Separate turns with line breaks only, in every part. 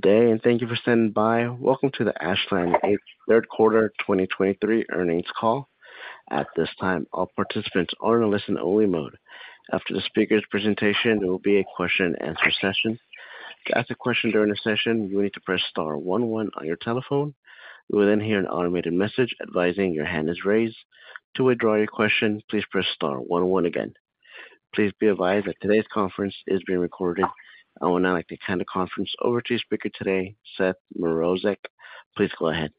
Good day, and thank you for standing by. Welcome to the Ashland 3rd Quarter 2023 Earnings Call. At this time, all participants are in a listen-only mode. After the speaker's presentation, there will be a question and answer session. To ask a question during the session, you will need to press star one one on your telephone. You will then hear an automated message advising your hand is raised. To withdraw your question, please press star one one again. Please be advised that today's conference is being recorded. I would now like to hand the conference over to your speaker today, Seth Mrozek. Please go ahead.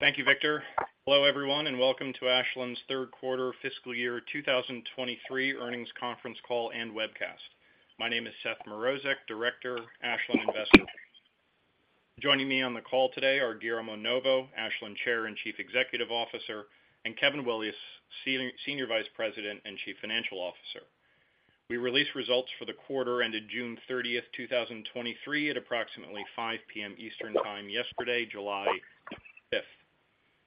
Thank you, Victor. Hello, everyone, welcome to Ashland's Third Quarter Fiscal Year 2023 Earnings Conference Call and Webcast. My name is Seth Mrozek, Director, Ashland Investor Relations. Joining me on the call today are Guillermo Novo, Ashland Chair and Chief Executive Officer, and Kevin Willis, Senior Vice President and Chief Financial Officer. We released results for the quarter ended June 30th, 2023, at approximately 5:00 P.M. Eastern Time yesterday, July 5th.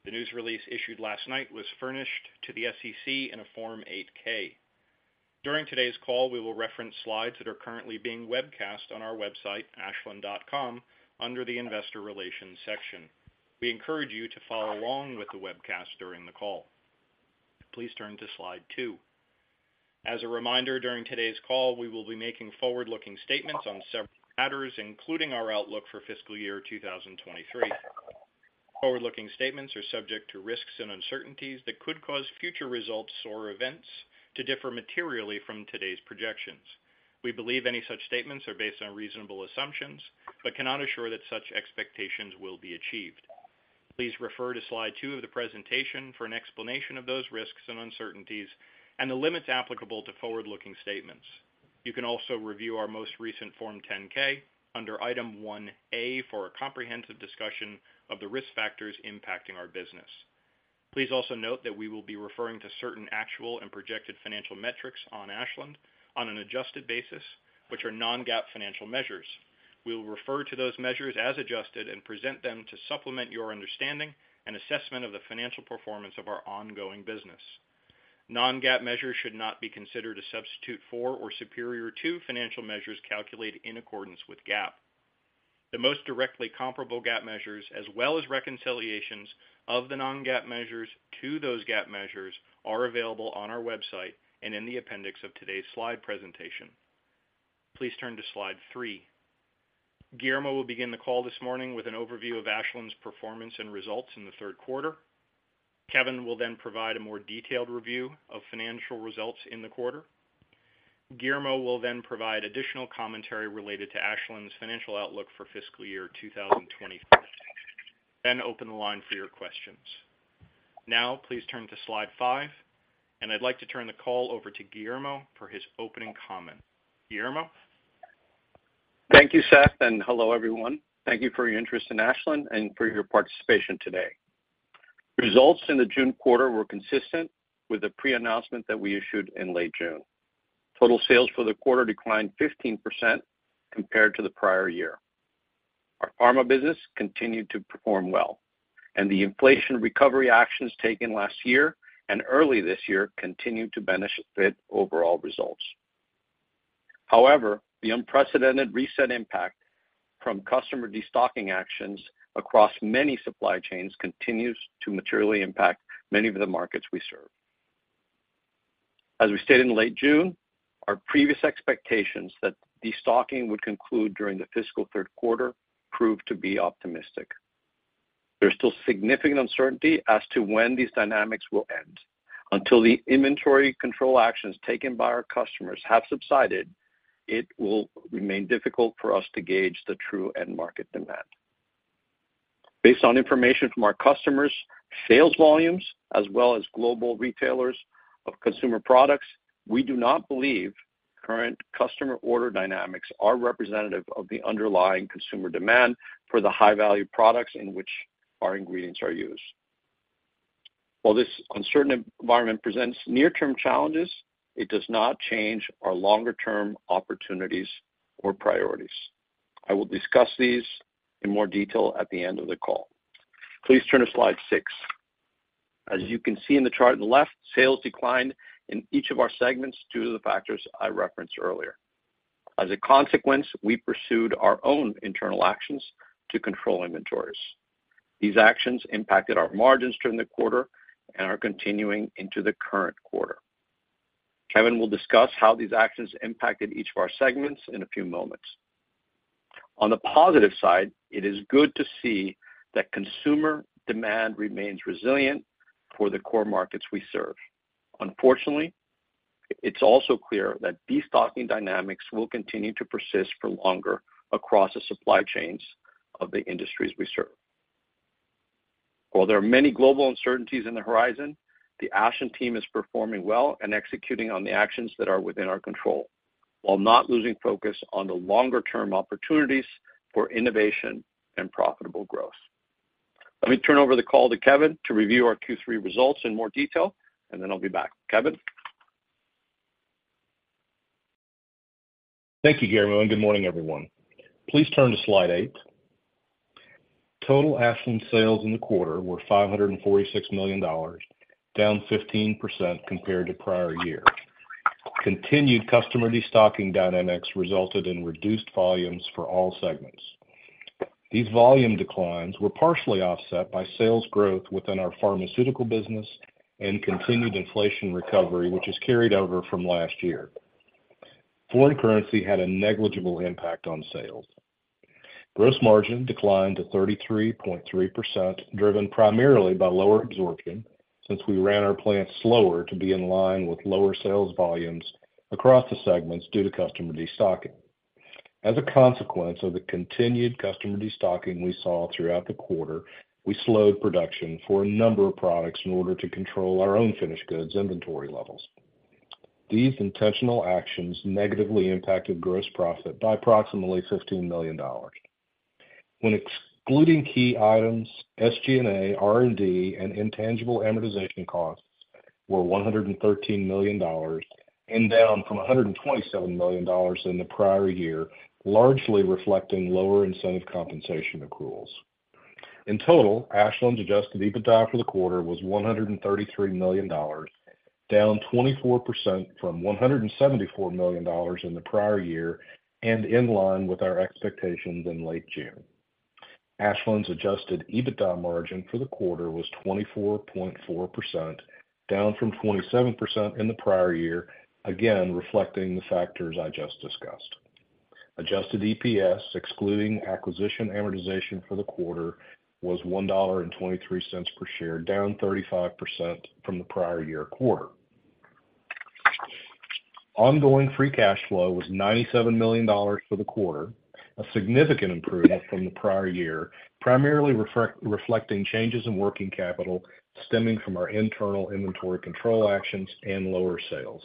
The news release issued last night was furnished to the SEC in a Form 8-K. During today's call, we will reference slides that are currently being webcast on our website, ashland.com, under the Investor Relations section. We encourage you to follow along with the webcast during the call. Please turn to slide two. As a reminder, during today's call, we will be making forward-looking statements on several matters, including our outlook for fiscal year 2023. Forward-looking statements are subject to risks and uncertainties that could cause future results or events to differ materially from today's projections. We believe any such statements are based on reasonable assumptions, but cannot assure that such expectations will be achieved. Please refer to slide two of the presentation for an explanation of those risks and uncertainties, and the limits applicable to forward-looking statements. You can also review our most recent Form 10-K under Item 1A for a comprehensive discussion of the risk factors impacting our business. Please also note that we will be referring to certain actual and projected financial metrics on Ashland on an adjusted basis, which are non-GAAP financial measures. We will refer to those measures as adjusted and present them to supplement your understanding and assessment of the financial performance of our ongoing business. non-GAAP measures should not be considered a substitute for or superior to financial measures calculated in accordance with GAAP. The most directly comparable GAAP measures as well as reconciliations of the non-GAAP measures to those GAAP measures, are available on our website and in the appendix of today's slide presentation. Please turn to slide three. Guillermo will begin the call this morning with an overview of Ashland's performance and results in the third quarter. Kevin will provide a more detailed review of financial results in the quarter. Guillermo will provide additional commentary related to Ashland's financial outlook for fiscal year 2024, then open the line for your questions. Please turn to slide five, and I'd like to turn the call over to Guillermo for his opening comment. Guillermo?
Thank you, Seth, and hello, everyone. Thank you for your interest in Ashland and for your participation today. Results in the June quarter were consistent with the pre-announcement that we issued in late June. Total sales for the quarter declined 15% compared to the prior year. Our pharma business continued to perform well, and the inflation recovery actions taken last year and early this year continued to benefit overall results. However, the unprecedented reset impact from customer destocking actions across many supply chains continues to materially impact many of the markets we serve. As we stated in late June, our previous expectations that destocking would conclude during the fiscal third quarter proved to be optimistic. There's still significant uncertainty as to when these dynamics will end. Until the inventory control actions taken by our customers have subsided, it will remain difficult for us to gauge the true end market demand. Based on information from our customers, sales volumes, as well as global retailers of consumer products, we do not believe current customer order dynamics are representative of the underlying consumer demand for the high-value products in which our ingredients are used. While this uncertain environment presents near-term challenges, it does not change our longer-term opportunities or priorities. I will discuss these in more detail at the end of the call. Please turn to slide six. As you can see in the chart on the left, sales declined in each of our segments due to the factors I referenced earlier. As a consequence, we pursued our own internal actions to control inventories. These actions impacted our margins during the quarter and are continuing into the current quarter. Kevin will discuss how these actions impacted each of our segments in a few moments. On the positive side, it is good to see that consumer demand remains resilient for the core markets we serve. Unfortunately, it's also clear that destocking dynamics will continue to persist for longer across the supply chains of the industries we serve. While there are many global uncertainties in the horizon, the Ashland team is performing well and executing on the actions that are within our control, while not losing focus on the longer-term opportunities for innovation and profitable growth. Let me turn over the call to Kevin to review our Q3 results in more detail, and then I'll be back. Kevin?
Thank you, Guillermo. Good morning, everyone. Please turn to slide 8. Total Ashland sales in the quarter were $546 million, down 15% compared to prior year. Continued customer destocking dynamics resulted in reduced volumes for all segments. These volume declines were partially offset by sales growth within our pharmaceutical business and continued inflation recovery, which is carried over from last year. Foreign currency had a negligible impact on sales. Gross margin declined to 33.3%, driven primarily by lower absorption, since we ran our plants slower to be in line with lower sales volumes across the segments due to customer destocking. As a consequence of the continued customer destocking we saw throughout the quarter, we slowed production for a number of products in order to control our own finished goods inventory levels. These intentional actions negatively impacted gross profit by approximately $15 million. When excluding key items, SG&A, R&D, and intangible amortization costs were $113 million, and down from $127 million in the prior year, largely reflecting lower incentive compensation accruals. In total, Ashland's adjusted EBITDA for the quarter was $133 million, down 24% from $174 million in the prior year, and in line with our expectations in late June. Ashland's adjusted EBITDA margin for the quarter was 24.4%, down from 27% in the prior year, again, reflecting the factors I just discussed. Adjusted EPS, excluding acquisition amortization for the quarter, was $1.23 per share, down 35% from the prior-year quarter. Ongoing free cash flow was $97 million for the quarter, a significant improvement from the prior year, primarily reflecting changes in working capital stemming from our internal inventory control actions and lower sales.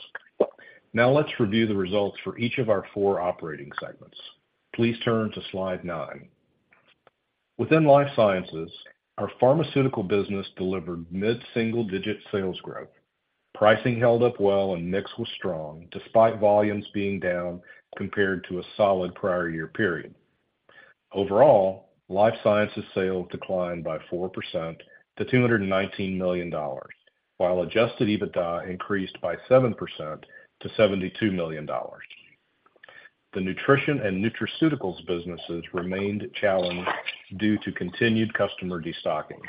Now, let's review the results for each of our four operating segments. Please turn to Slide nine. Within Life Sciences, our pharmaceutical business delivered mid-single-digit sales growth. Pricing held up well and mix was strong, despite volumes being down compared to a solid prior year period. Overall, Life Sciences sales declined by 4% to $219 million, while adjusted EBITDA increased by 7% to $72 million. The nutrition and nutraceuticals businesses remained challenged due to continued customer destocking.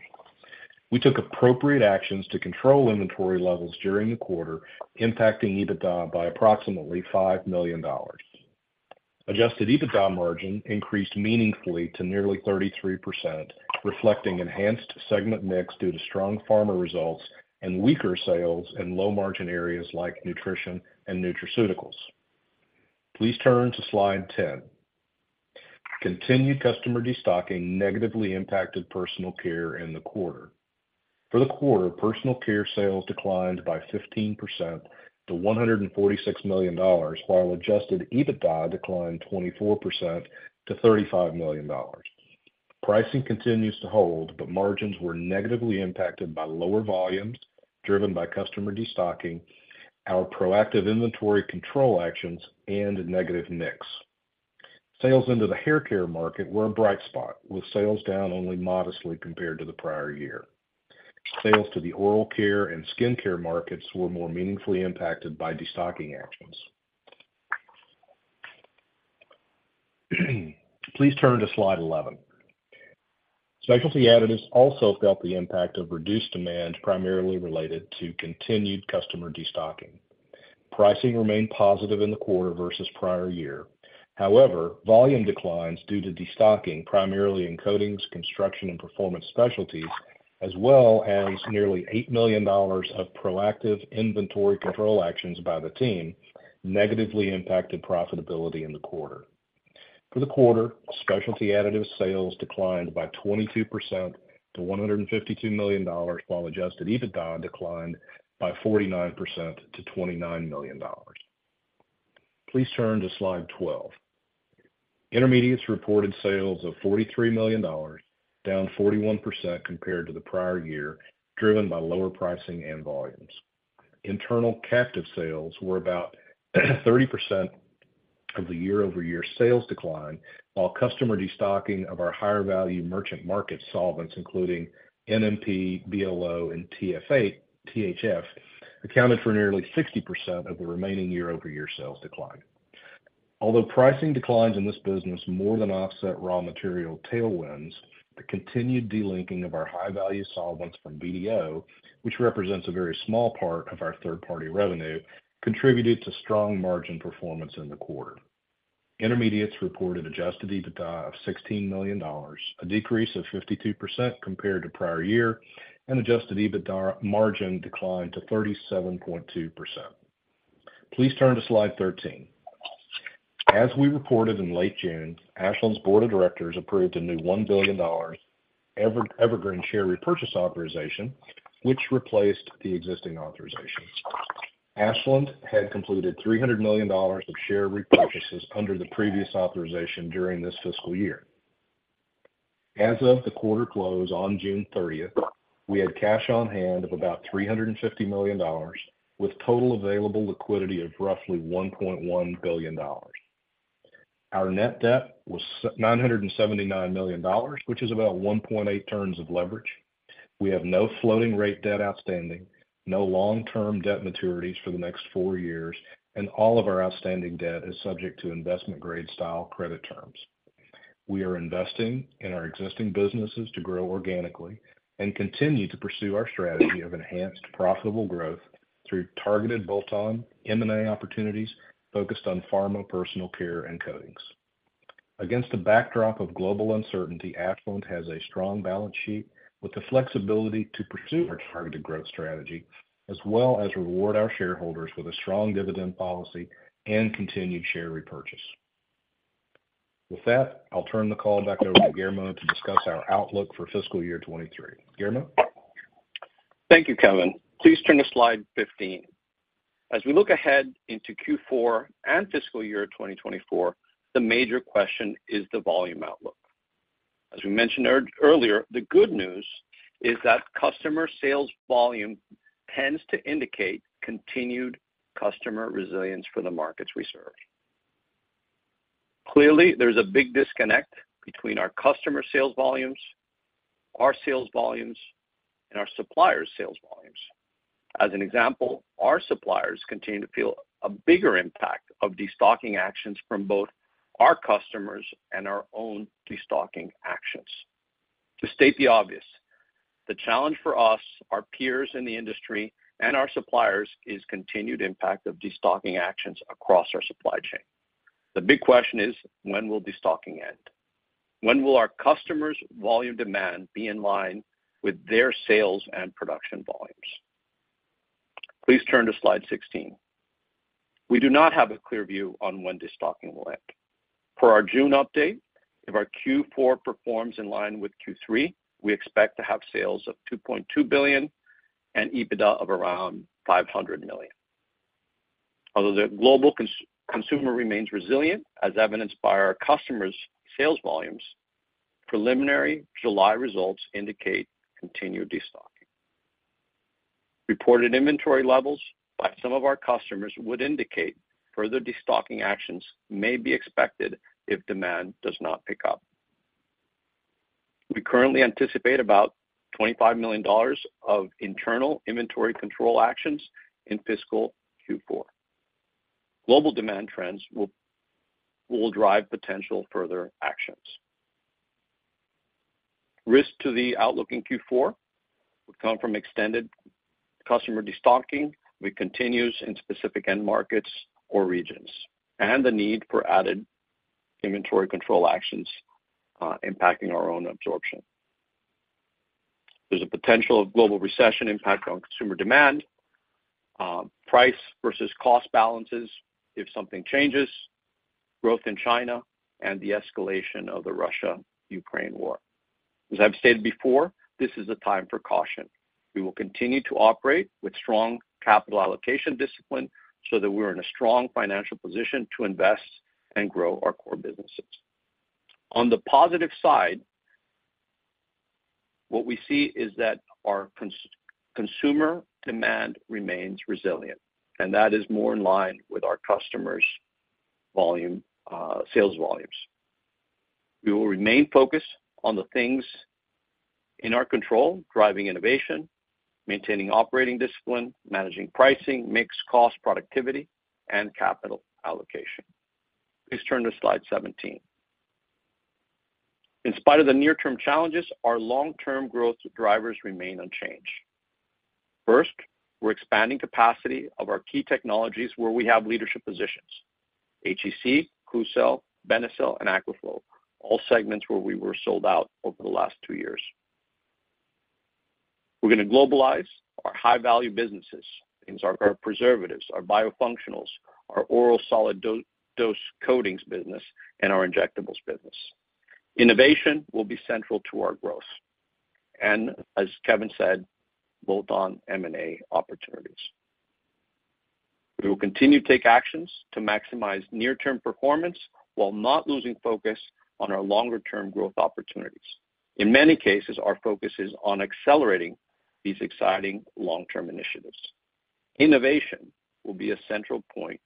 We took appropriate actions to control inventory levels during the quarter, impacting EBITDA by approximately $5 million. Adjusted EBITDA margin increased meaningfully to nearly 33%, reflecting enhanced segment mix due to strong pharma results and weaker sales in low-margin areas like nutrition and nutraceuticals. Please turn to Slide 10. Continued customer destocking negatively impacted Personal Care in the quarter. For the quarter, Personal Care sales declined by 15% to $146 million, while adjusted EBITDA declined 24% to $35 million. Pricing continues to hold, but margins were negatively impacted by lower volumes driven by customer destocking, our proactive inventory control actions, and negative mix. Sales into the hair care market were a bright spot, with sales down only modestly compared to the prior year. Sales to the oral care and skincare markets were more meaningfully impacted by destocking actions. Please turn to Slide 11. Specialty Additives also felt the impact of reduced demand, primarily related to continued customer destocking. Volume declines due to destocking, primarily in coatings, construction, and performance specialties, as well as nearly $8 million of proactive inventory control actions by the team, negatively impacted profitability in the quarter. For the quarter, Specialty Additives sales declined by 22% to $152 million, while adjusted EBITDA declined by 49% to $29 million. Please turn to Slide 12. Intermediates reported sales of $43 million, down 41% compared to the prior year, driven by lower pricing and volumes. Internal captive sales were about 30% of the year-over-year sales decline, while customer destocking of our higher-value merchant market solvents, including NMP, BLO, and THF, accounted for nearly 60% of the remaining year-over-year sales decline. Although pricing declines in this business more than offset raw material tailwinds, the continued delinking of our high-value solvents from BDO, which represents a very small part of our third-party revenue, contributed to strong margin performance in the quarter. Intermediates reported adjusted EBITDA of $16 million, a decrease of 52% compared to prior year, and adjusted EBITDA margin declined to 37.2%. Please turn to Slide 13. As we reported in late June, Ashland's board of directors approved a new $1 billion evergreen share repurchase authorization, which replaced the existing authorization. Ashland had completed $300 million of share repurchases under the previous authorization during this fiscal year. As of the quarter close on June 30th, we had cash on hand of about $350 million, with total available liquidity of roughly $1.1 billion. Our net debt was $979 million, which is about 1.8 turns of leverage. We have no floating rate debt outstanding, no long-term debt maturities for the next four years, and all of our outstanding debt is subject to investment grade style credit terms. We are investing in our existing businesses to grow organically and continue to pursue our strategy of enhanced profitable growth through targeted bolt-on M&A opportunities focused on pharma, Personal Care, and coatings. Against a backdrop of global uncertainty, Ashland has a strong balance sheet with the flexibility to pursue our targeted growth strategy, as well as reward our shareholders with a strong dividend policy and continued share repurchase. With that, I'll turn the call back over to Guillermo to discuss our outlook for fiscal year 2023. Guillermo?
Thank you, Kevin. Please turn to slide 15. As we look ahead into Q4 and fiscal year 2024, the major question is the volume outlook. As we mentioned earlier, the good news is that customer sales volume tends to indicate continued customer resilience for the markets we serve. Clearly, there's a big disconnect between our customer sales volumes, our sales volumes, and our suppliers' sales volumes. As an example, our suppliers continue to feel a bigger impact of destocking actions from both our customers and our own destocking actions. To state the obvious, the challenge for us, our peers in the industry, and our suppliers, is continued impact of destocking actions across our supply chain. The big question is: when will destocking end? When will our customers' volume demand be in line with their sales and production volumes? Please turn to slide 16. We do not have a clear view on when destocking will end. Per our June update, if our Q4 performs in line with Q3, we expect to have sales of $2.2 billion and EBITDA of around $500 million. Although the global consumer remains resilient, as evidenced by our customers' sales volumes, preliminary July results indicate continued destocking. Reported inventory levels by some of our customers would indicate further destocking actions may be expected if demand does not pick up. We currently anticipate about $25 million of internal inventory control actions in fiscal Q4. Global demand trends will drive potential further actions. Risk to the outlook in Q4 would come from extended customer destocking, which continues in specific end markets or regions, and the need for added inventory control actions, impacting our own absorption. There's a potential of global recession impact on consumer demand, price versus cost balances if something changes, growth in China, and the escalation of the Russia-Ukraine war. As I've stated before, this is a time for caution. We will continue to operate with strong capital allocation discipline so that we're in a strong financial position to invest and grow our core businesses. On the positive side, what we see is that our consumer demand remains resilient, and that is more in line with our customers' volume, sales volumes. We will remain focused on the things in our control, driving innovation, maintaining operating discipline, managing pricing, mix, cost, productivity, and capital allocation. Please turn to slide 17. In spite of the near-term challenges, our long-term growth drivers remain unchanged. First, we're expanding capacity of our key technologies where we have leadership positions, HEC, Klucel, Benecel, and Aquaflow, all segments where we were sold out over the last two years. We're gonna globalize our high-value businesses, things like our preservatives, our biofunctionals, our oral solid dose coatings business, and our injectables business. Innovation will be central to our growth, and as Kevin said, bolt-on M&A opportunities. We will continue to take actions to maximize near-term performance while not losing focus on our longer-term growth opportunities. In many cases, our focus is on accelerating these exciting long-term initiatives. Innovation will be a central point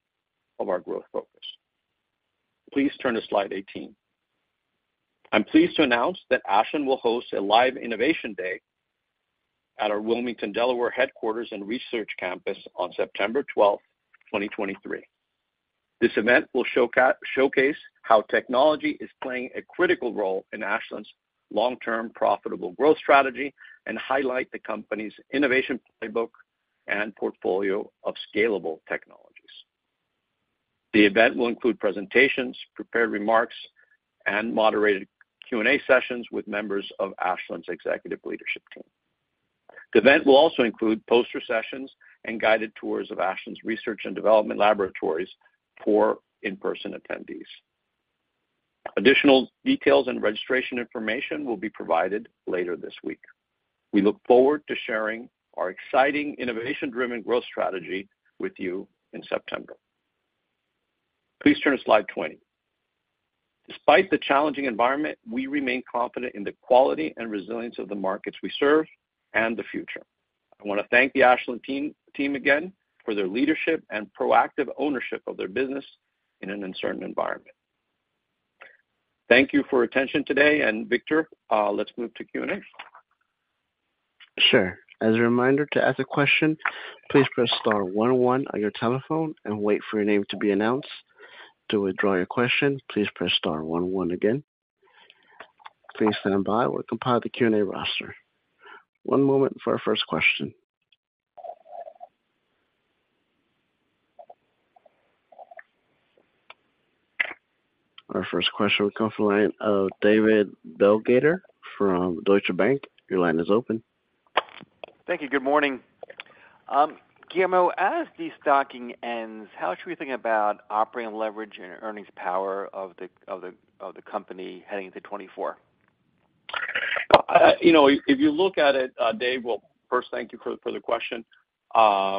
of our growth focus. Please turn to slide 18. I'm pleased to announce that Ashland will host a live Innovation Day at our Wilmington, Delaware, headquarters and research campus on September 12th, 2023. This event will showcase how technology is playing a critical role in Ashland's long-term profitable growth strategy and highlight the company's innovation playbook and portfolio of scalable technologies. The event will include presentations, prepared remarks, and moderated Q&A sessions with members of Ashland's executive leadership team. The event will also include poster sessions and guided tours of Ashland's research and development laboratories for in-person attendees. Additional details and registration information will be provided later this week. We look forward to sharing our exciting, innovation-driven growth strategy with you in September. Please turn to slide 20. Despite the challenging environment, we remain confident in the quality and resilience of the markets we serve and the future. I want to thank the Ashland team again for their leadership and proactive ownership of their business in an uncertain environment. Thank you for your attention today. Victor, let's move to Q&A.
Sure. As a reminder, to ask a question, please press star one one on your telephone and wait for your name to be announced. To withdraw your question, please press star one one again. Please stand by. We're compiling the Q&A roster. One moment for our first question. Our first question will come from the line of David Begleiter from Deutsche Bank. Your line is open.
Thank you. Good morning. Guillermo, as destocking ends, how should we think about operating leverage and earnings power of the company heading into 2024?
You know, if you look at it, Dave, well, first, thank you for the question. You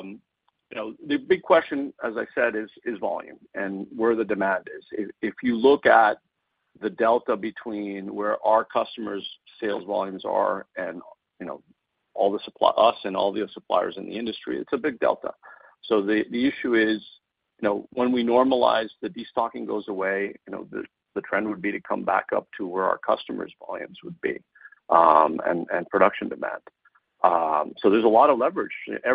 know, the big question, as I said, is volume and where the demand is. If you look at the delta between where our customers' sales volumes are and, you know, all the us and all the suppliers in the industry, it's a big delta. The, the issue is, you know, when we normalize, the destocking goes away, you know, the trend would be to come back up to where our customers' volumes would be, and production demand. There's a lot of leverage.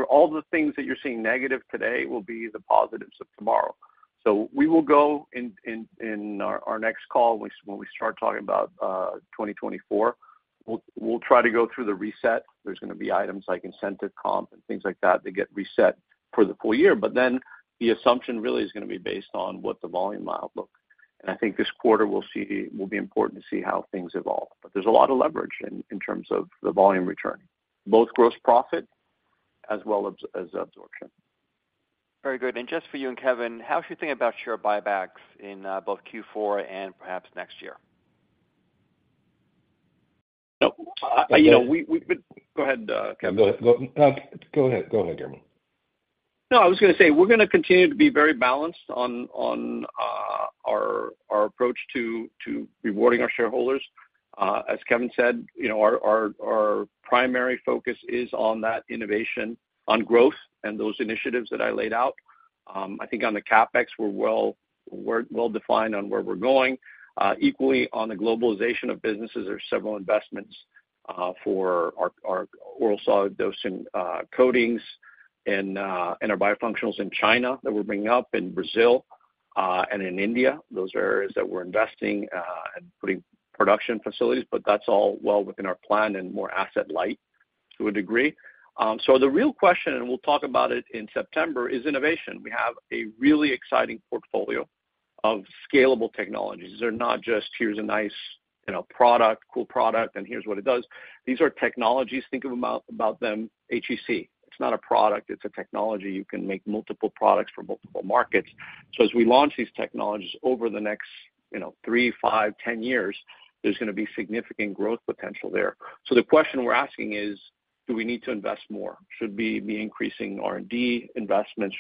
All the things that you're seeing negative today will be the positives of tomorrow. We will go in our next call, when we start talking about 2024, we'll try to go through the reset. There's going to be items like incentive comp and things like that get reset for the full year. The assumption really is going to be based on what the volume outlook. I think this quarter will be important to see how things evolve. There's a lot of leverage in terms of the volume return, both gross profit as well as absorption.
Very good. Just for you and Kevin, how should you think about share buybacks in both Q4 and perhaps next year?
No, you know, we've been... Go ahead, Kevin.
Go ahead, Guillermo.
No, I was gonna say, we're gonna continue to be very balanced on our approach to rewarding our shareholders. As Kevin said, you know, our primary focus is on that innovation, on growth and those initiatives that I laid out. I think on the CapEx, we're well-defined on where we're going. Equally, on the globalization of businesses, there are several investments for our oral solid dose coatings and our biofunctionals in China that we're bringing up, in Brazil, and in India. Those are areas that we're investing and putting production facilities, that's all well within our plan and more asset light to a degree. The real question, and we'll talk about it in September, is innovation. We have a really exciting portfolio of scalable technologies. They're not just: Here's a nice, you know, product, cool product, and here's what it does. These are technologies. Think of them, about them, HEC. It's not a product, it's a technology. You can make multiple products for multiple markets. As we launch these technologies over the next, you know, three, five, 10 years, there's gonna be significant growth potential there. The question we're asking is: Do we need to invest more? Should we be increasing R&D investment?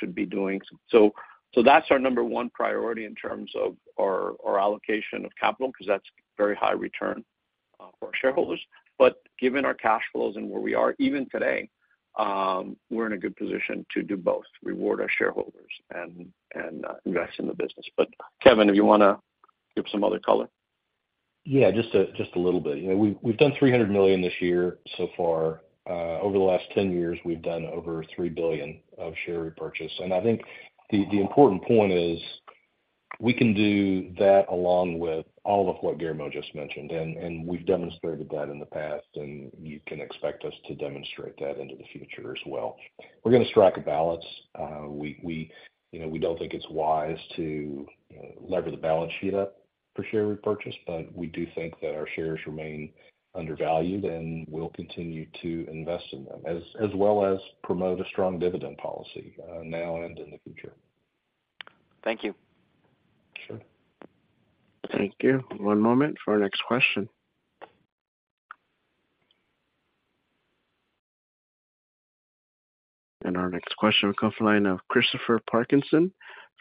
That's our number one priority in terms of our allocation of capital, because that's very high return for our shareholders. Given our cash flows and where we are, even today, we're in a good position to do both, reward our shareholders and invest in the business. Kevin, if you wanna give some other color?
Yeah, just a little bit. You know, we've done $300 million this year so far. Over the last 10 years, we've done over $3 billion of share repurchase. I think the important point is, we can do that along with all of what Guillermo just mentioned, and we've demonstrated that in the past, and you can expect us to demonstrate that into the future as well. We're gonna strike a balance. We, you know, we don't think it's wise to, you know, lever the balance sheet up for share repurchase, we do think that our shares remain undervalued, and we'll continue to invest in them, as well as promote a strong dividend policy, now and in the future.
Thank you.
Sure.
Thank you. One moment for our next question. Our next question will come from the line of Christopher Parkinson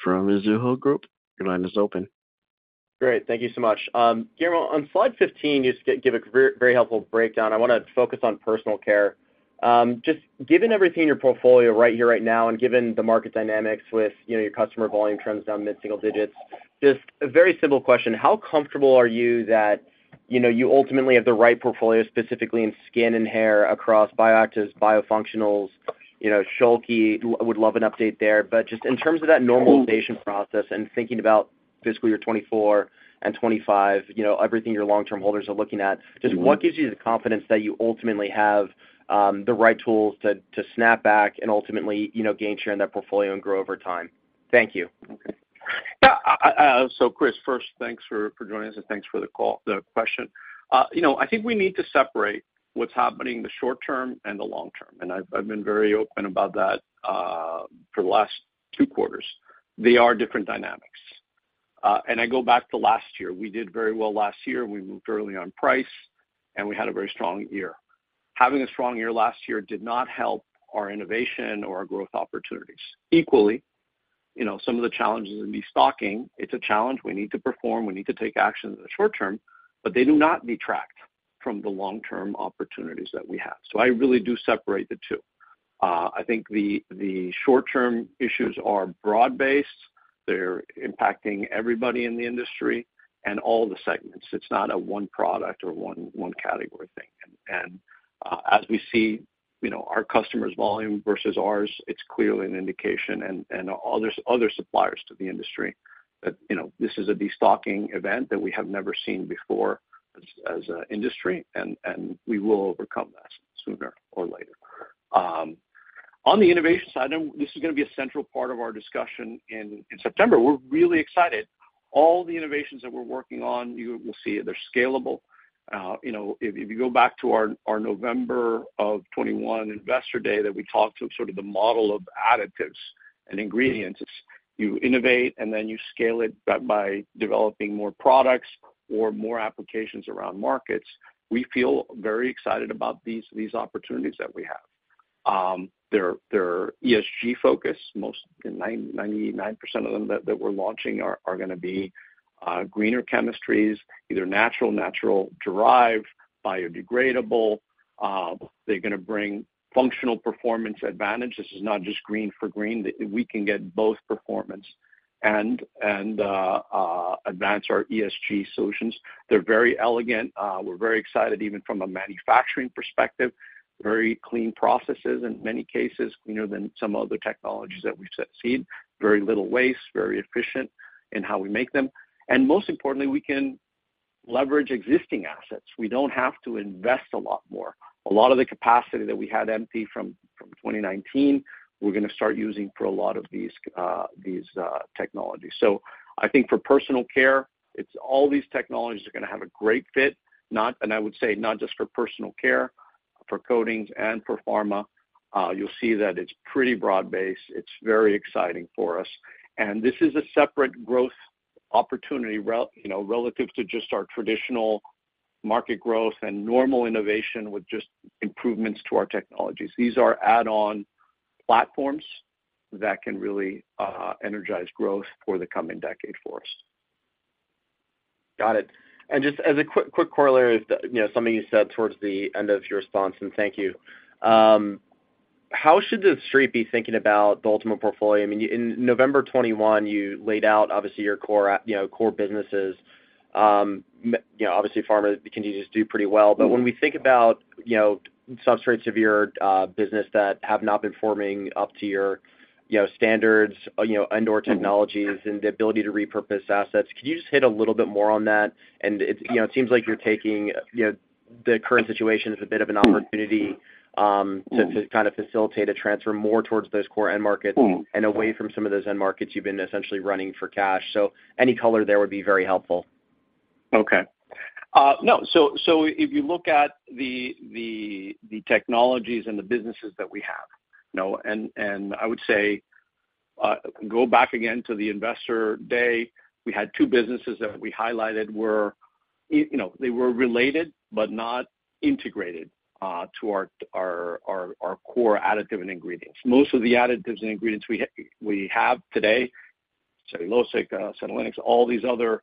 from Mizuho Group. Your line is open.
Great. Thank you so much. Guillermo, on slide 15, you just give a very, very helpful breakdown. I wanna focus on Personal Care. Just given everything in your portfolio right here, right now, and given the market dynamics with, you know, your customer volume trends down mid-single digits, just a very simple question: How comfortable are you that, you know, you ultimately have the right portfolio, specifically in skin and hair, across bioactives, biofunctionals, you know, Schülke? Would love an update there. Just in terms of that normalization process and thinking about fiscal year 2024 and 2025, you know, everything your long-term holders are looking at, just what gives you the confidence that you ultimately have the right tools to snap back and ultimately, you know, gain share in that portfolio and grow over time? Thank you.
Okay. Yeah, Chris, first, thanks for joining us, and thanks for the call, the question. You know, I think we need to separate what's happening in the short term and the long term, and I've been very open about that for the last two quarters. They are different dynamics. I go back to last year. We did very well last year. We moved early on price, and we had a very strong year. Having a strong year last year did not help our innovation or our growth opportunities. Equally, you know, some of the challenges in destocking, it's a challenge we need to perform, we need to take action in the short term, but they do not detract from the long-term opportunities that we have. I really do separate the two. I think the short-term issues are broad-based. They're impacting everybody in the industry and all the segments. It's not a one product or one category thing. As we see, you know, our customers' volume versus ours, it's clearly an indication, and all other suppliers to the industry that, you know, this is a destocking event that we have never seen before as an industry, and we will overcome that sooner or later. On the innovation side, I know this is gonna be a central part of our discussion in September. We're really excited. All the innovations that we're working on, you will see they're scalable. You know, if you go back to our November of 2021 Investor Day that we talked to sort of the model of additives and ingredients, you innovate, and then you scale it by developing more products or more applications around markets. We feel very excited about these opportunities that we have. They're ESG focused. 99% of them that we're launching are gonna be greener chemistries, either natural derived, biodegradable. They're gonna bring functional performance advantage. This is not just green for green. We can get both performance and advance our ESG solutions. They're very elegant. We're very excited, even from a manufacturing perspective, very clean processes, in many cases, cleaner than some other technologies that we've seen. Very little waste, very efficient in how we make them. Most importantly, we can leverage existing assets. We don't have to invest a lot more. A lot of the capacity that we had empty from 2019, we're gonna start using for a lot of these technologies. I think for Personal Care, it's all these technologies are gonna have a great fit. I would say not just for Personal Care, for coatings and for pharma, you'll see that it's pretty broad-based. It's very exciting for us. This is a separate growth opportunity you know, relative to just our traditional market growth and normal innovation with just improvements to our technologies. These are add-on platforms that can really energize growth for the coming decade for us.
Got it. Just as a quick corollary, you know, something you said towards the end of your response, and thank you. How should the Street be thinking about the ultimate portfolio? I mean, in November 2021, you laid out obviously your core, you know, core businesses. you know, obviously, pharma, can you just do pretty well? When we think about, you know, substrates of your business that have not been performing up to your, you know, standards, you know, and/or technologies and the ability to repurpose assets, can you just hit a little bit more on that? It, you know, it seems like you're taking, you know, the current situation as a bit of an opportunity, to kind of facilitate a transfer more towards those core end markets and away from some of those end markets you've been essentially running for cash. Any color there would be very helpful.
Okay. No, so if you look at the technologies and the businesses that we have, you know, and I would say, go back again to the Investor Day. We had two businesses that we highlighted were, you know, they were related, but not integrated, to our core additive and ingredients. Most of the additives and ingredients we have today, cellulosics, Culminal, all these other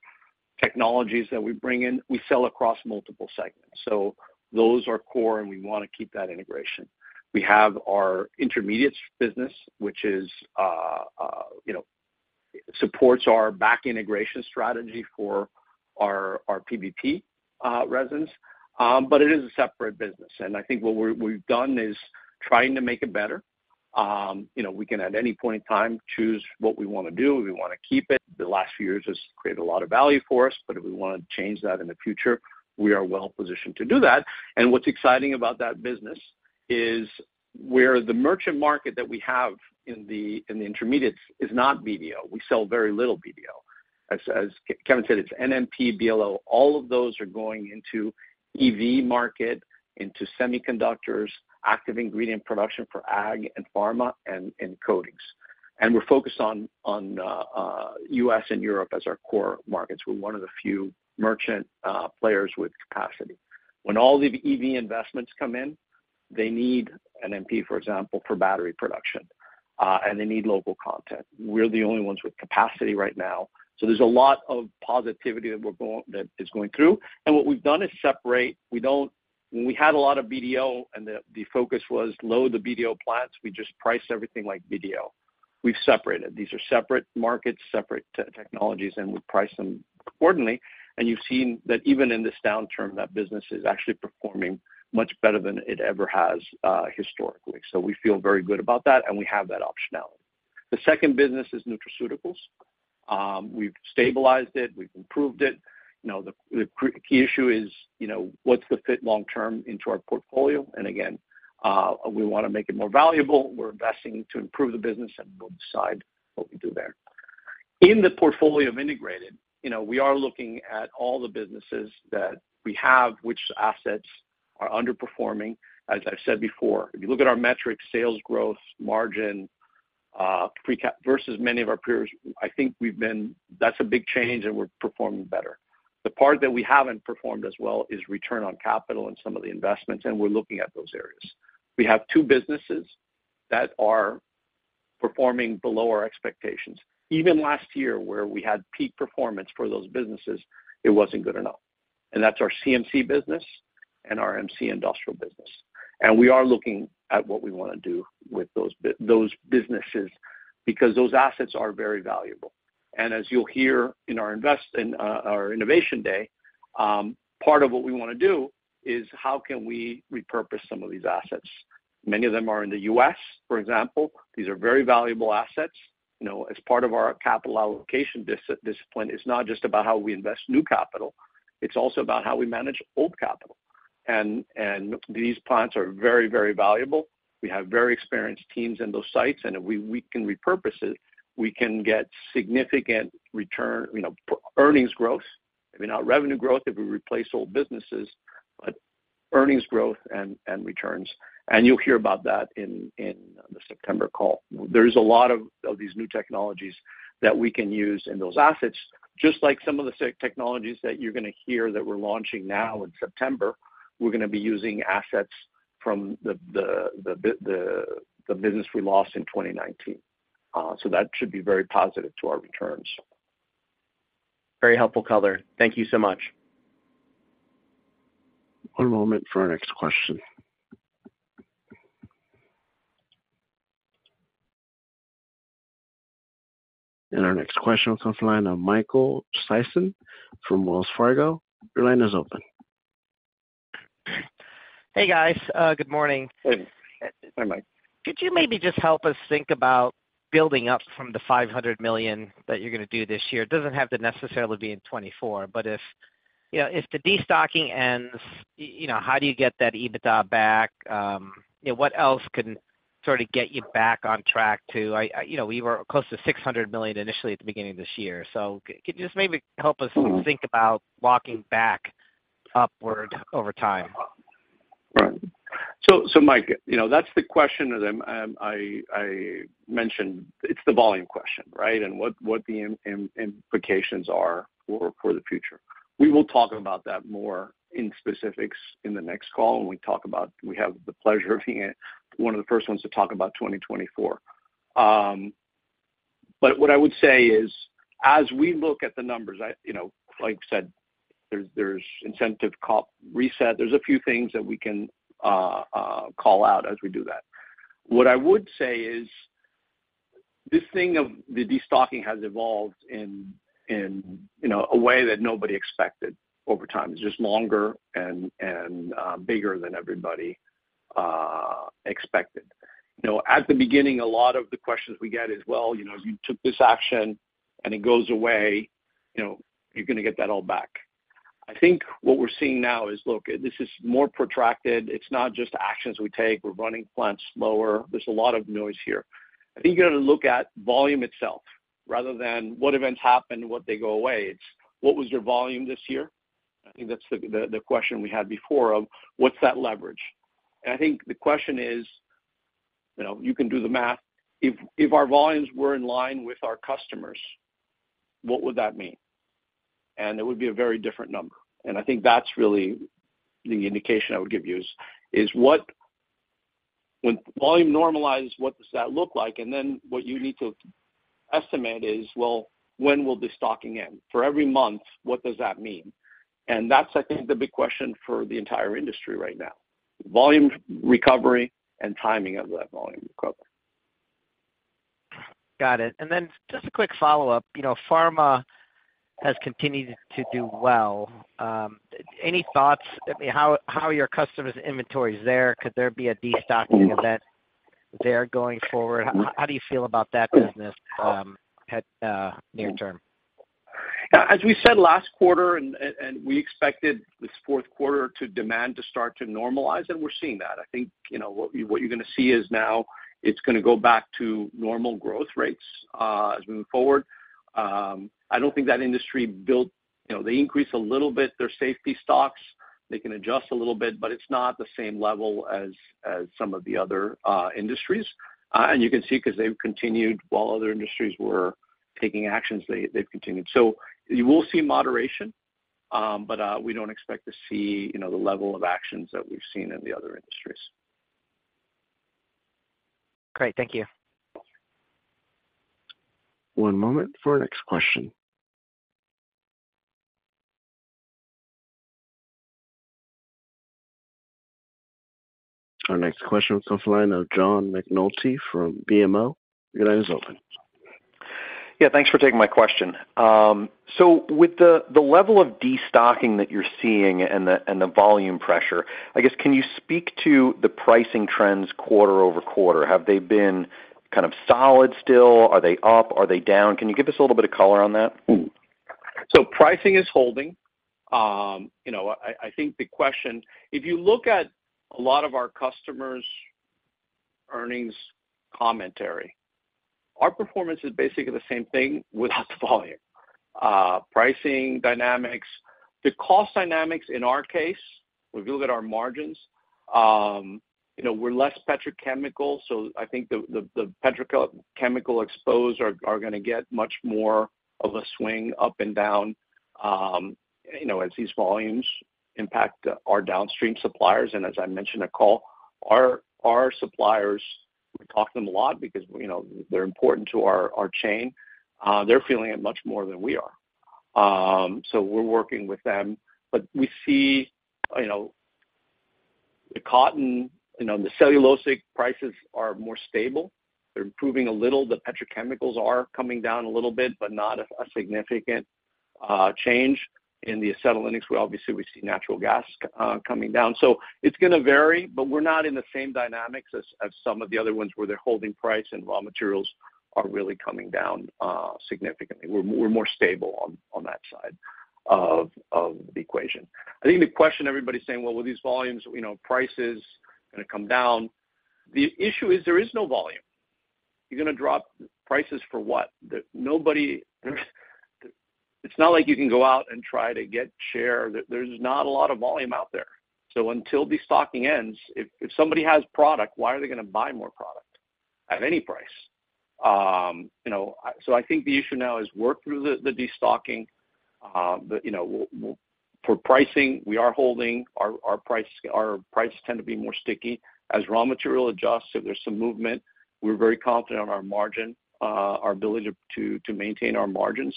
technologies that we bring in, we sell across multiple segments. Those are core, and we want to keep that integration. We have our Intermediates business, which is, you know, supports our back integration strategy for our PVP, residents. It is a separate business, and I think what we've done is trying to make it better. You know, we can at any point in time choose what we want to do. We want to keep it. The last few years has created a lot of value for us, but if we want to change that in the future, we are well positioned to do that. What's exciting about that business is where the merchant market that we have in the Intermediates is not BDO. We sell very little BDO. As Kevin said, it's NMP, BLO, all of those are going into EV market, into semiconductors, active ingredient production for ag and pharma and coatings. We're focused on U.S. and Europe as our core markets. We're one of the few merchant players with capacity. When all the EV investments come in, they need an NMP, for example, for battery production, and they need local content. We're the only ones with capacity right now, so there's a lot of positivity that is going through. What we've done is separate. When we had a lot of BDO, and the focus was load the BDO plants, we just priced everything like BDO. We've separated. These are separate markets, separate technologies, and we price them accordingly. You've seen that even in this downturn, that business is actually performing much better than it ever has, historically. We feel very good about that, and we have that optionality. The second business is nutraceuticals. We've stabilized it, we've improved it. You know, the key issue is, you know, what's the fit long term into our portfolio? Again, we want to make it more valuable. We're investing to improve the business, and we'll decide what we do there. In the portfolio of integrated, you know, we are looking at all the businesses that we have, which assets are underperforming. As I've said before, if you look at our metrics, sales growth, margin, pre-cap versus many of our peers, I think that's a big change, and we're performing better. The part that we haven't performed as well is return on capital and some of the investments, and we're looking at those areas. We have two businesses that are performing below our expectations. Even last year, where we had peak performance for those businesses, it wasn't good enough, and that's our CMC business and our MC industrial business. We are looking at what we wanna do with those businesses, because those assets are very valuable. As you'll hear in our Innovation Day, part of what we wanna do is how can we repurpose some of these assets? Many of them are in the U.S., for example. These are very valuable assets. You know, as part of our capital allocation discipline, it's not just about how we invest new capital, it's also about how we manage old capital. These plants are very, very valuable. We have very experienced teams in those sites, and if we can repurpose it, we can get significant return, you know, earnings growth, maybe not revenue growth, if we replace old businesses, but earnings growth and returns, and you'll hear about that in the September call. There is a lot of these new technologies that we can use in those assets. Just like some of the technologies that you're gonna hear that we're launching now in September, we're gonna be using assets from the business we lost in 2019. That should be very positive to our returns.
Very helpful color. Thank you so much.
One moment for our next question. Our next question comes from the line of Michael Sison from Wells Fargo. Your line is open.
Hey, guys, good morning.
Hey, hi, Mike.
Could you maybe just help us think about building up from the $500 million that you're gonna do this year? It doesn't have to necessarily be in 2024, if, you know, if the destocking ends, you know, how do you get that EBITDA back? You know, what else can sort of get you back on track to... you know, we were close to $600 million initially at the beginning of this year. Could you just maybe help us think about walking back upward over time?
Mike, you know, that's the question that I'm, I mentioned. It's the volume question, right? What the implications are for the future. We will talk about that more in specifics in the next call, when we talk about we have the pleasure of being one of the first ones to talk about 2024. What I would say is, as we look at the numbers, I, you know, like you said, there's incentive reset. There's a few things that we can call out as we do that. What I would say is, this thing of the destocking has evolved in, you know, a way that nobody expected over time. It's just longer and bigger thane everybody expected. You know, at the beginning, a lot of the questions we get is: Well, you know, you took this action, and it goes away, you know, you're gonna get that all back. I think what we're seeing now is, look, this is more protracted. It's not just actions we take. We're running plants slower. There's a lot of noise here. I think you're gonna look at volume itself, rather than what events happen, what they go away. It's what was your volume this year? I think that's the question we had before of what's that leverage? I think the question is, you know, you can do the math. If our volumes were in line with our customers, what would that mean? It would be a very different number, and I think that's really the indication I would give you, is what... When volume normalizes, what does that look like? Then what you need to estimate is, well, when will the stocking end? For every month, what does that mean? That's, I think, the big question for the entire industry right now, volume recovery and timing of that volume recovery.
Got it. Just a quick follow-up. You know, pharma has continued to do well. Any thoughts? I mean, how are your customers' inventories there? Could there be a destocking event there going forward? How do you feel about that business, at, near term?
As we said last quarter, and we expected this fourth quarter to demand to start to normalize, and we're seeing that. I think, you know, what you, what you're gonna see is now it's gonna go back to normal growth rates as we move forward. I don't think that industry, you know, they increase a little bit, their safety stocks. They can adjust a little bit, but it's not the same level as some of the other industries. And you can see, because they've continued while other industries were taking actions, they've continued. You will see moderation, but we don't expect to see, you know, the level of actions that we've seen in the other industries.
Great. Thank you.
One moment for our next question. Our next question comes from the line of John McNulty from BMO. Your line is open.
Yeah, thanks for taking my question. So with the level of destocking that you're seeing and the volume pressure, I guess, can you speak to the pricing trends quarter-over-quarter? Have they been kind of solid still? Are they up? Are they down? Can you give us a little bit of color on that?
Pricing is holding. You know, I think if you look at a lot of our customers' earnings commentary, our performance is basically the same thing without the volume pricing dynamics. The cost dynamics in our case, if you look at our margins, you know, we're less petrochemical. I think the petrochemical exposed are going to get much more of a swing up and down, you know, as these volumes impact our downstream suppliers. As I mentioned in the call, our suppliers, we talk to them a lot because, you know, they're important to our chain. They're feeling it much more than we are. We're working with them. We see, you know, the cotton, you know, the cellulosic prices are more stable. They're improving a little. The petrochemicals are coming down a little bit, but not a significant change. In the acetylenics, where obviously we see natural gas coming down. It's going to vary, but we're not in the same dynamics as some of the other ones, where they're holding price and raw materials are really coming down significantly. We're more stable on that side of the equation. I think the question everybody's saying, "Well, with these volumes, you know, prices going to come down." The issue is there is no volume. You're going to drop prices for what? Nobody it's not like you can go out and try to get share. There's not a lot of volume out there. Until destocking ends, if somebody has product, why are they going to buy more product at any price? You know, I think the issue now is work through the destocking. You know, for pricing, we are holding. Our, our price, our prices tend to be more sticky. As raw material adjusts, if there's some movement, we're very confident on our margin, our ability to maintain our margins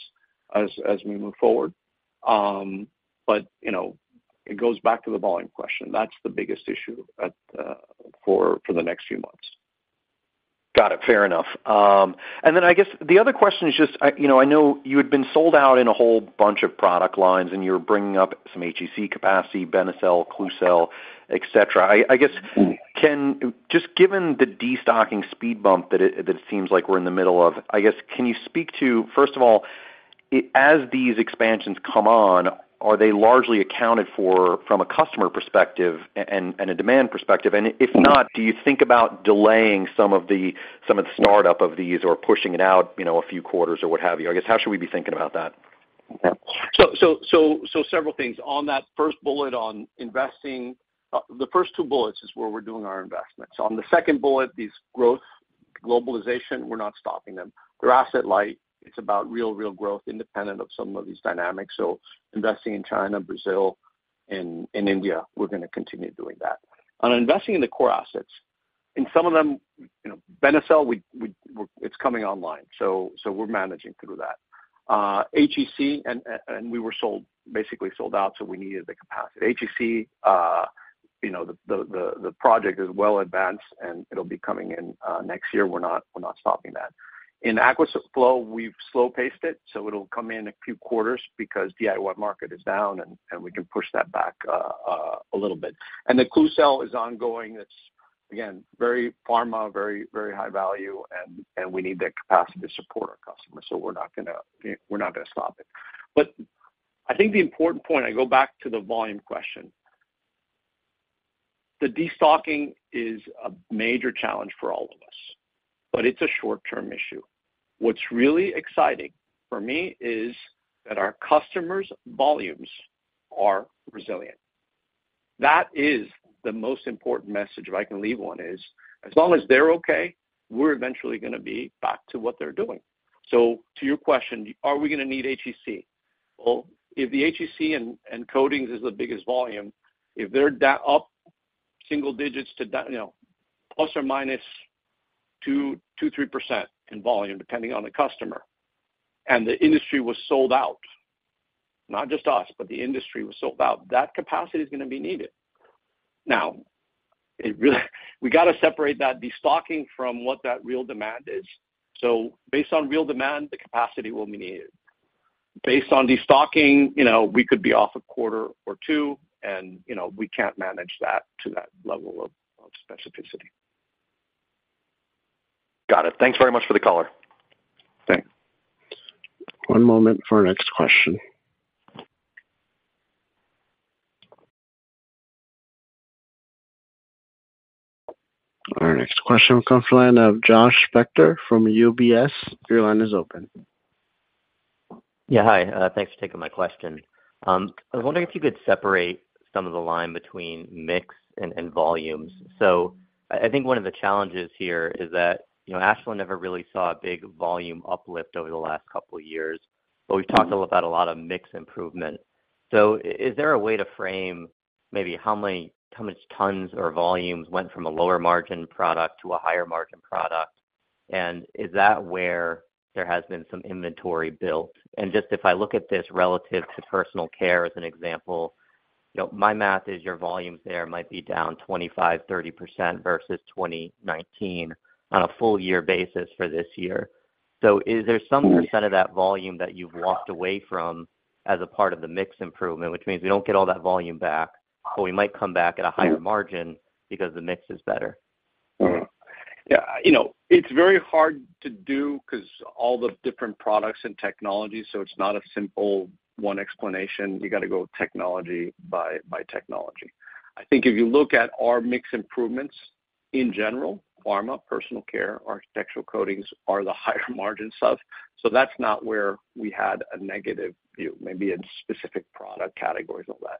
as we move forward. You know, it goes back to the volume question. That's the biggest issue at, for the next few months.
Got it. Fair enough. I guess the other question is just, you know, I know you had been sold out in a whole bunch of product lines, and you were bringing up some HEC capacity, Benecel, Klucel, et cetera.
Mm.
Just given the destocking speed bump that seems like we're in the middle of, I guess, can you speak to, first of all, as these expansions come on, are they largely accounted for from a customer perspective and a demand perspective? And if not, do you think about delaying some of the startup of these or pushing it out, you know, a few quarters or what have you? I guess, how should we be thinking about that?
Several things. On that first bullet on investing, the first two bullets is where we're doing our investments. The second bullet, these growth, globalization, we're not stopping them. We're asset light. It's about real growth independent of some of these dynamics. Investing in China, Brazil, and India, we're going to continue doing that. Investing in the core assets, in some of them, you know, Benecel, it's coming online, we're managing through that. HEC, and we were basically sold out, so we needed the capacity. HEC, you know, the project is well advanced, and it'll be coming in next year. We're not stopping that. In Aquaflow, we've slow paced it, so it'll come in a few quarters because DIY market is down, and we can push that back a little bit. The Klucel is ongoing. It's, again, very pharma, very high value, and we need that capacity to support our customers, so we're not going to stop it. I think the important point, I go back to the volume question. The destocking is a major challenge for all of us, but it's a short-term issue. What's really exciting for me is that our customers' volumes are resilient. That is the most important message, if I can leave one, is as long as they're okay, we're eventually going to be back to what they're doing. To your question, are we going to need HEC? If the HEC and coatings is the biggest volume, if they're down- up single digits to down, you know, ±2%-3% in volume, depending on the customer, and the industry was sold out, not just us, but the industry was sold out, that capacity is going to be needed. It really we got to separate that destocking from what that real demand is. Based on real demand, the capacity will be needed. Based on destocking, you know, we could be off a quarter or two, and, you know, we can't manage that to that level of specificity.
Got it. Thanks very much for the color.
Thanks.
One moment for our next question. Our next question comes from the line of Josh Spector from UBS. Your line is open.
Yeah. Hi, thanks for taking my question. I was wondering if you could separate some of the line between mix and volumes. I think one of the challenges here is that, you know, Ashland never really saw a big volume uplift over the last couple of years, but we've talked about a lot of mix improvement. Is there a way to frame maybe how much tons or volumes went from a lower margin product to a higher margin product? Is that where there has been some inventory built? Just if I look at this relative to Personal Care, as an example, you know, my math is your volumes there might be down 25%, 30% versus 2019 on a full year basis for this year. Is there some percent of that volume that you've walked away from as a part of the mix improvement, which means we don't get all that volume back, but we might come back at a higher margin because the mix is better?
You know, it's very hard to do because all the different products and technologies, so it's not a simple one explanation. You got to go technology by technology. I think if you look at our mix improvements. In general, pharma, Personal Care, architectural coatings are the higher margins of. That's not where we had a negative view, maybe in specific product categories or that.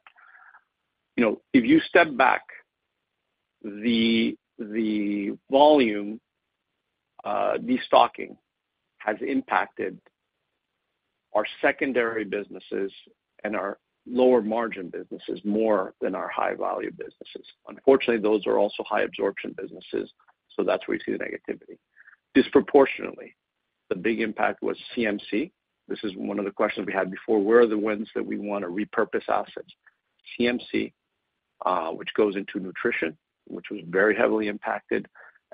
You know, if you step back, the volume destocking has impacted our secondary businesses and our lower margin businesses more than our high-value businesses. Unfortunately, those are also high absorption businesses, that's where we see the negativity. Disproportionately, the big impact was CMC. This is one of the questions we had before: Where are the wins that we want to repurpose assets? CMC, which goes into nutrition, which was very heavily impacted,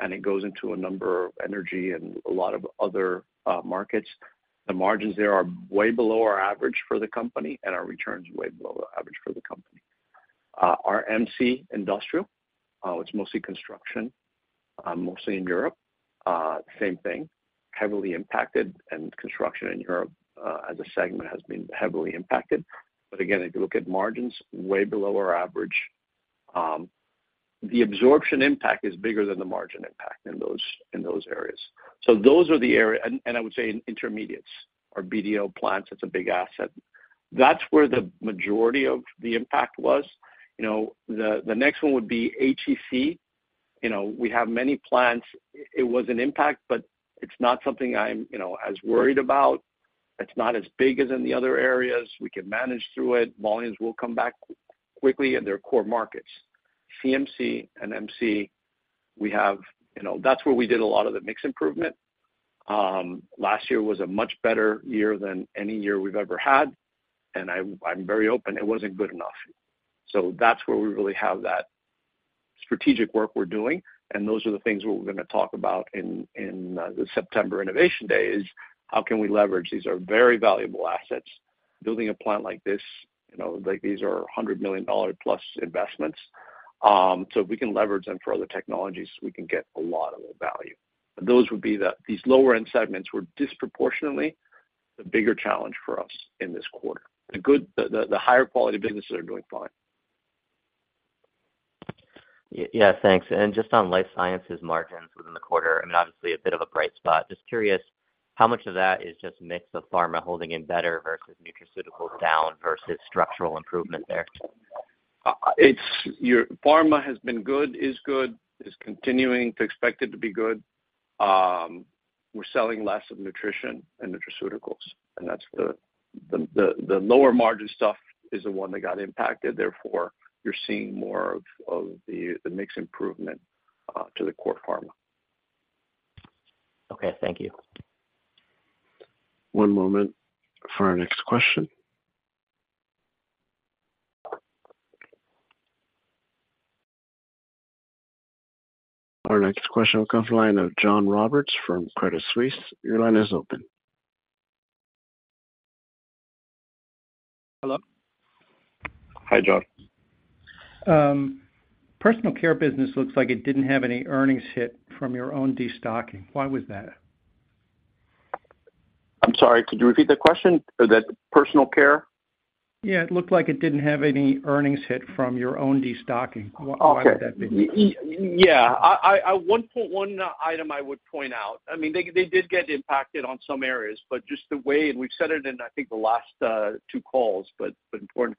and it goes into a number of energy and a lot of other markets. The margins there are way below our average for the company, and our returns are way below the average for the company. Our MC industrial, it's mostly construction, mostly in Europe. Same thing, heavily impacted, and construction in Europe, as a segment, has been heavily impacted. Again, if you look at margins, way below our average. The absorption impact is bigger than the margin impact in those, in those areas. Those are the area and I would say Intermediates, our BDO plants, that's a big asset. That's where the majority of the impact was. You know, the next one would be HEC. You know, we have many plants. It was an impact, it's not something I'm, you know, as worried about. It's not as big as in the other areas. We can manage through it. Volumes will come back quickly in their core markets. CMC and MC, we have, you know, that's where we did a lot of the mix improvement. Last year was a much better year than any year we've ever had, and I'm very open, it wasn't good enough. That's where we really have that strategic work we're doing, and those are the things we're going to talk about in the September Innovation Day, is how can we leverage? These are very valuable assets. Building a plant like this, you know, like, these are $100 million plus investments. If we can leverage them for other technologies, we can get a lot of the value. Those would be these lower-end segments were disproportionately the bigger challenge for us in this quarter. The higher quality businesses are doing fine.
Yeah, thanks. Just on Life Sciences margins within the quarter, I mean, obviously a bit of a bright spot. Just curious, how much of that is just mix of pharma holding in better versus nutraceutical down versus structural improvement there?
It's your pharma has been good, is continuing to expect it to be good. We're selling less of nutrition and nutraceuticals, and that's the lower margin stuff is the one that got impacted. Therefore, you're seeing more of the mix improvement to the core pharma.
Okay, thank you.
One moment for our next question. Our next question comes line of John Roberts from Credit Suisse. Your line is open.
Hello?
Hi, John.
Personal Care business looks like it didn't have any earnings hit from your own destocking. Why was that?
I'm sorry, could you repeat the question? Is that Personal Care?
Yeah, it looked like it didn't have any earnings hit from your own destocking.
Okay.
Why would that be?
Yeah, I, one point, one item I would point out. I mean, they did get impacted on some areas, but just the way, and we've said it in, I think, the last two calls, but important.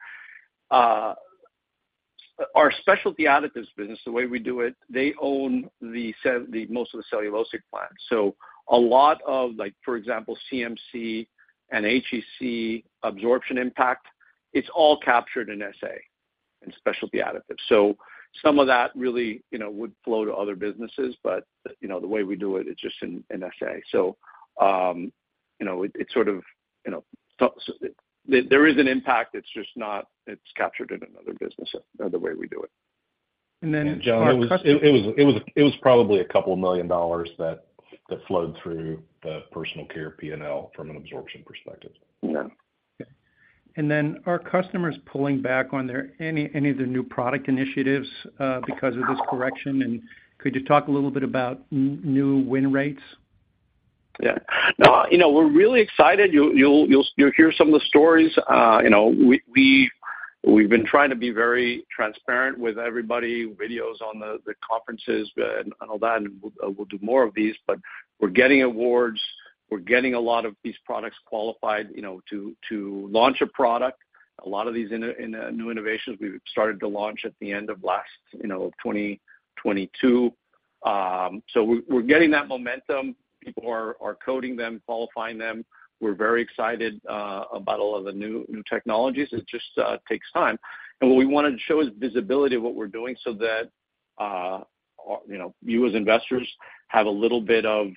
Our Specialty Additives business, the way we do it, they own the most of the cellulosic plants. A lot of like, for example, CMC and HEC absorption impact, it's all captured in SA, in Specialty Additives. Some of that really, you know, would flow to other businesses, but, you know, the way we do it's just in SA. You know, it sort of, you know, so there is an impact, it's just not it's captured in another business, the way we do it.
And then-
John, it was probably a couple of million dollars that flowed through the Personal Care PNL from an absorption perspective.
Yeah.
Are customers pulling back on their any of their new product initiatives because of this correction? Could you talk a little bit about new win rates?
No, you know, we're really excited. You'll hear some of the stories. You know, we've been trying to be very transparent with everybody, videos on the conferences and all that, and we'll do more of these, but we're getting awards. We're getting a lot of these products qualified, you know, to launch a product. A lot of these in new innovations we've started to launch at the end of last, you know, 2022. We're getting that momentum. People are coding them, qualifying them. We're very excited about all of the new technologies. It just takes time. What we wanted to show is visibility of what we're doing so that, you know, you as investors have a little bit of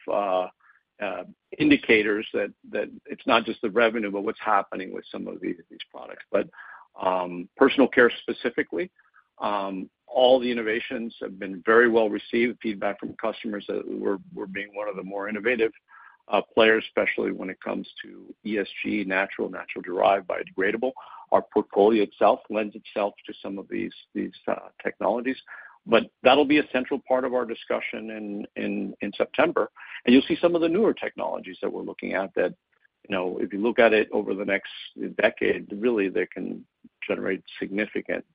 indicators that, it's not just the revenue, but what's happening with some of these products. Personal Care specifically, all the innovations have been very well received. Feedback from customers that we're being one of the more innovative players, especially when it comes to ESG, natural derived, biodegradable. Our portfolio itself lends itself to some of these technologies, but that'll be a central part of our discussion in September. You'll see some of the newer technologies that we're looking at that, you know, if you look at it over the next decade, really, they generate significant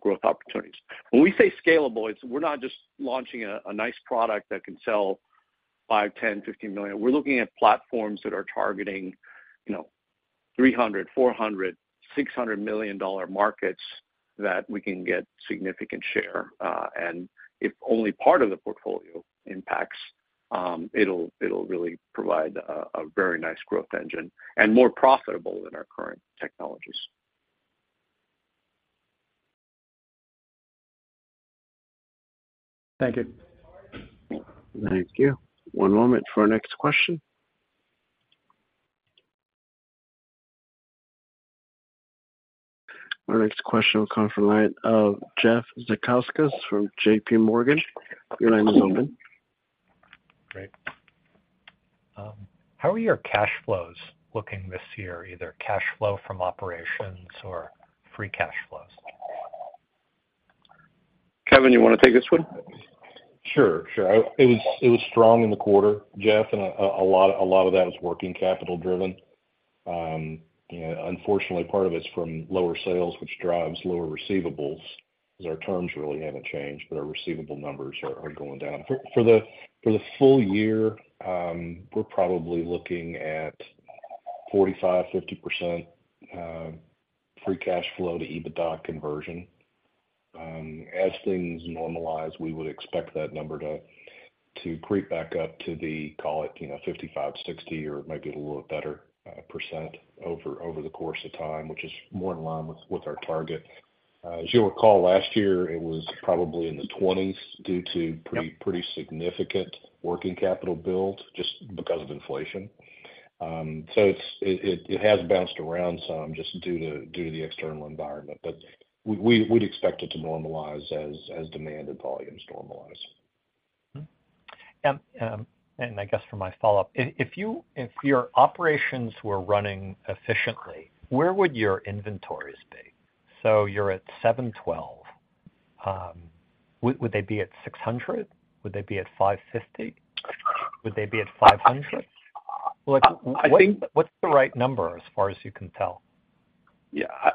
growth opportunities. When we say scalable, we're not just launching a nice product that can sell $5 million, $10 million, $15 million. We're looking at platforms that are targeting, you know, $300 million, $400 million, $600 million dollar markets that we can get significant share. If only part of the portfolio impacts, it'll really provide a very nice growth engine and more profitable than our current technologies. Thank you.
Thank you. One moment for our next question. Our next question will come from the line of Jeff Zekauskas from J.P. Morgan. Your line is open.
Great. How are your cash flows looking this year, either cash flow from operations or free cash flows?
Kevin, you want to take this one?
Sure, sure. It was strong in the quarter, Jeff, and a lot of that was working capital driven. You know, unfortunately, part of it's from lower sales, which drives lower receivables, because our terms really haven't changed, but our receivable numbers are going down. For the full year, we're probably looking at 45%-50% free cash flow to EBITDA conversion. As things normalize, we would expect that number to creep back up to the, call it, you know, 55%-60%, or maybe it a little better, percent over the course of time, which is more in line with our target. As you'll recall, last year, it was probably in the 20s due to-
Yep
pretty significant working capital build just because of inflation. It's, it has bounced around some just due to the external environment. We'd expect it to normalize as demand and volumes normalize.
I guess for my follow-up, if your operations were running efficiently, where would your inventories be? You're at $712, would they be at $600? Would they be at $550? Would they be at $500?
Well.
What's the right number, as far as you can tell?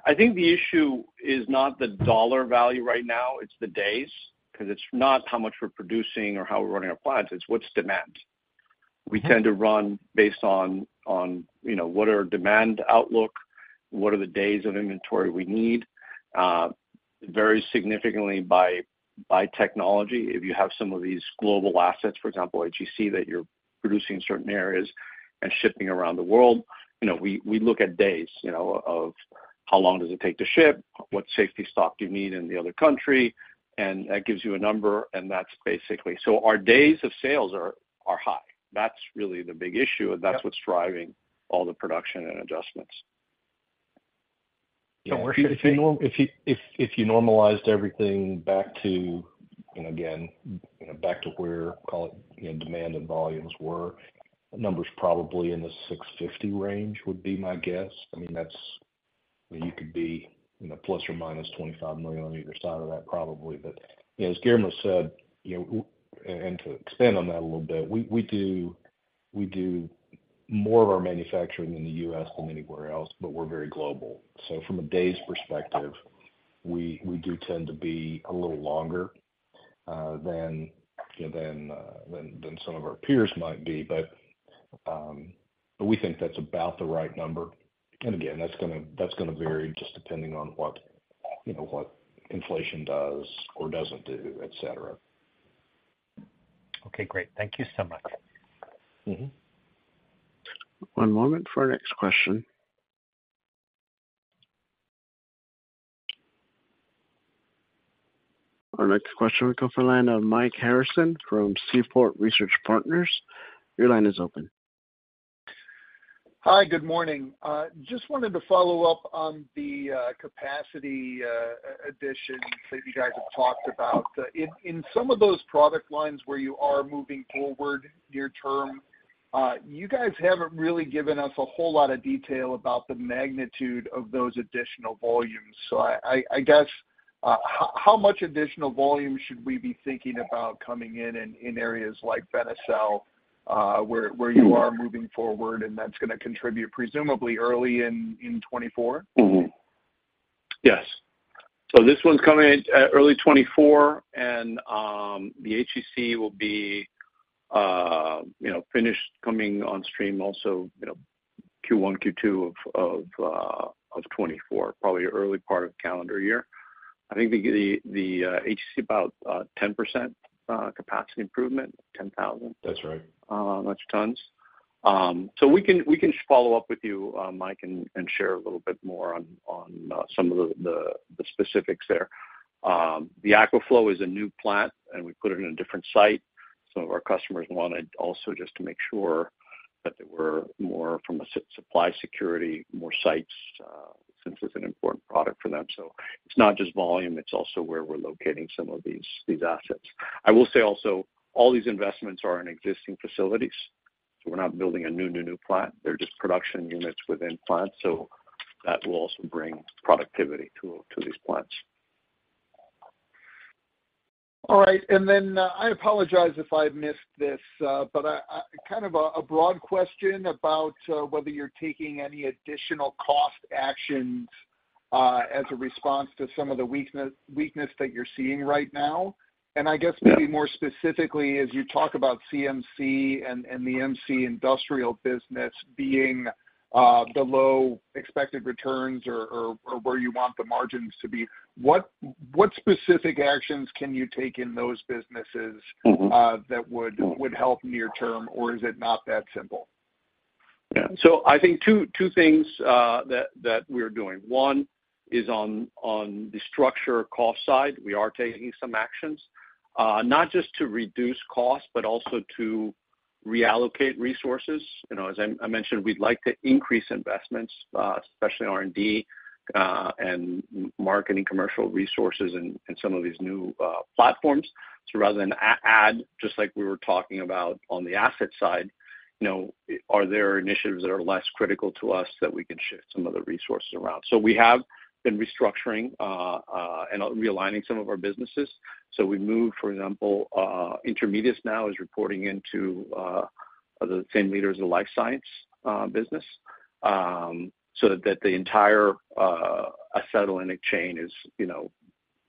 I think the issue is not the dollar value right now, it's the days, because it's not how much we're producing or how we're running our plants, it's what's demand.
Mm-hmm.
We tend to run based on, you know, what are demand outlook, what are the days of inventory we need, varies significantly by technology. If you have some of these global assets, for example, HEC, that you're producing in certain areas and shipping around the world, you know, we look at days, you know, of how long does it take to ship, what safety stock do you need in the other country, and that gives you a number, and that's basically. Our days of sales are high. That's really the big issue.
Yep
That's what's driving all the production and adjustments.
Where should it be?
If you normalized everything back to, and again, back to where, call it, you know, demand and volumes were, the numbers probably in the $650 range would be my guess. I mean, that's, you could be, you know, ±$25 million on either side of that, probably. You know, as Guillermo said, and to expand on that a little bit, we do more of our manufacturing in the US than anywhere else, but we're very global. From a days perspective, we do tend to be a little longer than some of our peers might be. But we think that's about the right number. again, that's gonna vary just depending on what, you know, what inflation does or doesn't do, et cetera.
Okay, great. Thank you so much.
Mm-hmm.
One moment for our next question. Our next question will come from the line of Mike Harrison from Seaport Research Partners. Your line is open.
Hi, good morning. Just wanted to follow up on the capacity addition that you guys have talked about. In some of those product lines where you are moving forward near term, you guys haven't really given us a whole lot of detail about the magnitude of those additional volumes. I guess, how much additional volume should we be thinking about coming in areas like Benecel, where you are moving forward, and that's gonna contribute presumably early in 2024?
Yes. This one's coming in early 2024, and the HEC will be, you know, finished coming on stream also, you know, Q1, Q2 of 2024, probably early part of calendar year. I think the HEC about 10% capacity improvement, ten thousand.
That's right.
metric tons. We can follow up with you, Mike, and share a little bit more on the specifics there. The Aquaflow is a new plant. We put it in a different site. Some of our customers wanted also just to make sure that there were more from a supply security, more sites, since it's an important product for them. It's not just volume, it's also where we're locating some of these assets. I will say also, all these investments are in existing facilities, so we're not building a new plant. They're just production units within plants, so that will also bring productivity to these plants.
All right. I apologize if I missed this, but I, kind of a broad question about whether you're taking any additional cost actions as a response to some of the weakness that you're seeing right now? I guess maybe more specifically, as you talk about CMC and the MC industrial business being below expected returns or where you want the margins to be, what specific actions can you take in those businesses?
Mm-hmm.
That would help near term, or is it not that simple?
Yeah. I think two things that we're doing. One is on the structure cost side. We are taking some actions not just to reduce costs, but also to reallocate resources. You know, as I mentioned, we'd like to increase investments, especially R&D and marketing, commercial resources in some of these new platforms. Rather than add, just like we were talking about on the asset side, you know, are there initiatives that are less critical to us that we can shift some of the resources around? We have been restructuring and realigning some of our businesses. We moved, for example, Intermediates now is reporting into the same leaders of the Life Sciences business. That the entire acetylene chain is, you know,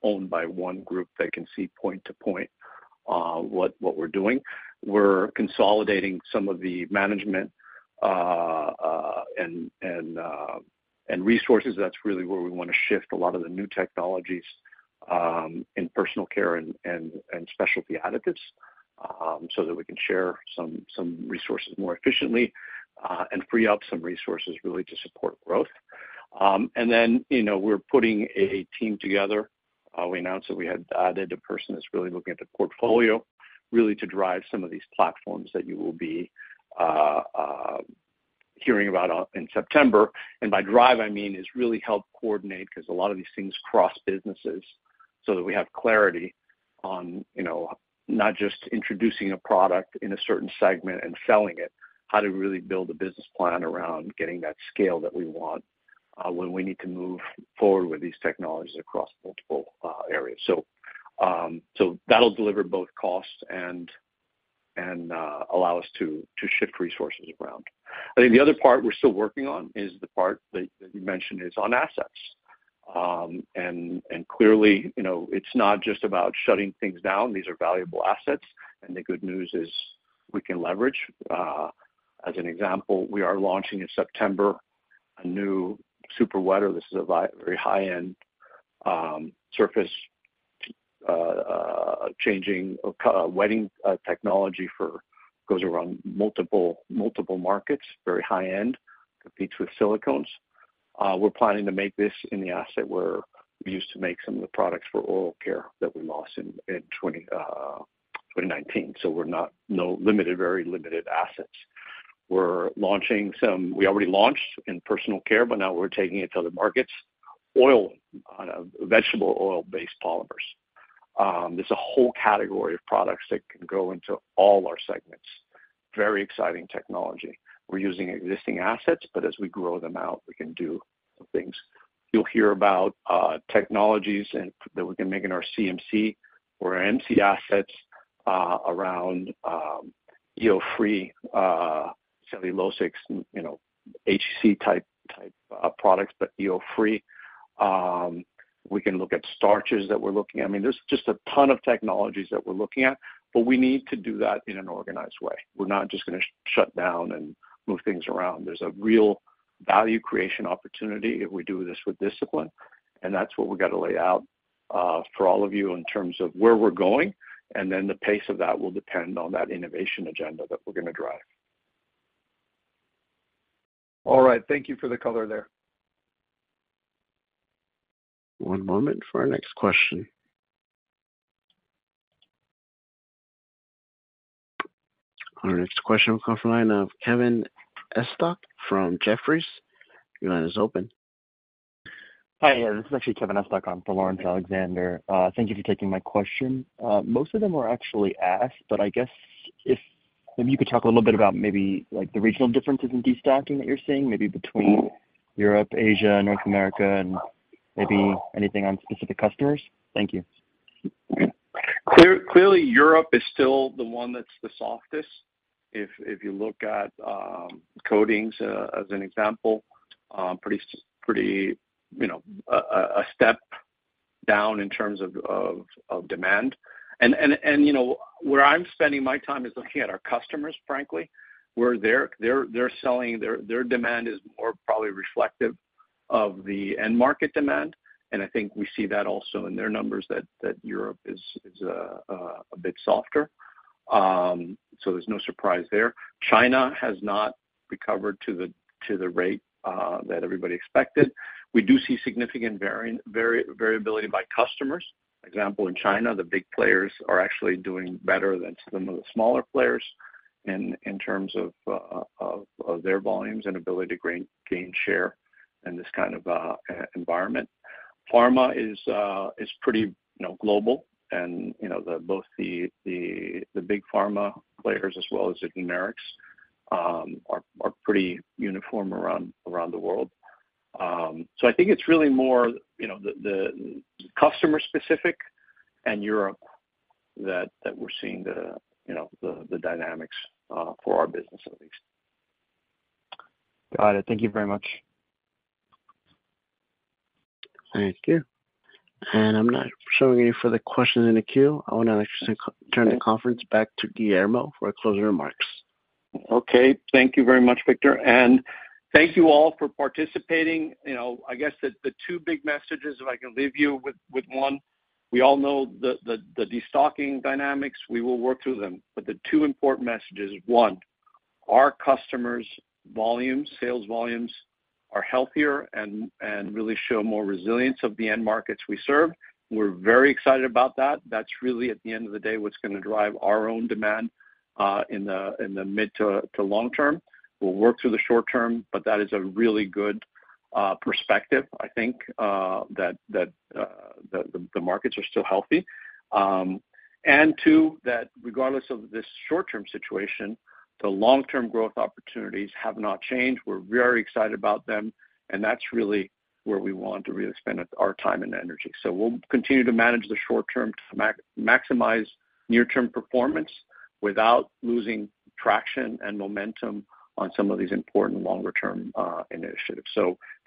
owned by one group that can see point to point what we're doing. We're consolidating some of the management and resources. That's really where we want to shift a lot of the new technologies in Personal Care and Specialty Additives so that we can share some resources more efficiently and free up some resources really to support growth. You know, we're putting a team together. We announced that we had added a person that's really looking at the portfolio, really to drive some of these platforms that you will be hearing about on in September. By drive, I mean, is really help coordinate, 'cause a lot of these things cross businesses, so that we have clarity on, you know, not just introducing a product in a certain segment and selling it, how to really build a business plan around getting that scale that we want, when we need to move forward with these technologies across multiple areas. That'll deliver both costs and allow us to shift resources around. I think the other part we're still working on is the part that you mentioned, is on assets. Clearly, you know, it's not just about shutting things down. These are valuable assets, and the good news is we can leverage. As an example, we are launching in September a new super wetter. This is a very high-end surface changing or kind of wetting technology for, goes around multiple markets, very high end, competes with silicones. We're planning to make this in the asset where we used to make some of the products for oral care that we lost in 2019. So we're not. Very limited assets. We already launched in Personal Care, now we're taking it to other markets. Oil, vegetable oil-based polymers. There's a whole category of products that can go into all our segments. Very exciting technology. We're using existing assets, as we grow them out, we can do some things. You'll hear about technologies and that we can make in our CMC or MC assets around EO-free cellulosic, you know, HC-type products, but EO-free. We can look at starches that we're looking at. I mean, there's just a ton of technologies that we're looking at, but we need to do that in an organized way. We're not just gonna shut down and move things around. There's a real value creation opportunity if we do this with discipline, and that's what we've got to lay out for all of you in terms of where we're going, and then the pace of that will depend on that innovation agenda that we're going to drive.
All right. Thank you for the color there.
One moment for our next question. Our next question will come from the line of Kevin Estok from Jefferies. Your line is open.
Hi, this is actually Kevin Estok. I'm from Laurence Alexander. Thank you for taking my question. Most of them were actually asked, but I guess if maybe you could talk a little bit about maybe like the regional differences in destocking that you're seeing, maybe between Europe, Asia, North America, and maybe anything on specific customers? Thank you.
Clearly, Europe is still the one that's the softest. If you look at coatings as an example, pretty, you know, a step down in terms of demand. You know, where I'm spending my time is looking at our customers, frankly, where they're selling their demand is more probably reflective of the end market demand. I think we see that also in their numbers, that Europe is a bit softer. There's no surprise there. China has not recovered to the rate that everybody expected. We do see significant variability by customers. Example, in China, the big players are actually doing better than some of the smaller players in terms of their volumes and ability to gain share in this kind of environment. Pharma is pretty, you know, global and, you know, both the big pharma players as well as the generics are pretty uniform around the world. I think it's really more, you know, the customer specific and Europe that we're seeing the, you know, dynamics for our business at least.
Got it. Thank you very much.
Thank you. I'm not showing any further questions in the queue. I want to actually turn the conference back to Guillermo for closing remarks.
Okay, thank you very much, Victor, and thank you all for participating. You know, I guess the two big messages, if I can leave you with one, we all know the destocking dynamics, we will work through them. The two important messages, one, our customers' volumes, sales volumes, are healthier and really show more resilience of the end markets we serve. We're very excited about that. That's really, at the end of the day, what's going to drive our own demand in the mid to long term. We'll work through the short term, but that is a really good perspective. I think that the markets are still healthy. Two, that regardless of this short-term situation, the long-term growth opportunities have not changed. We're very excited about them. That's really where we want to really spend our time and energy. We'll continue to manage the short term to maximize near-term performance without losing traction and momentum on some of these important longer term initiatives.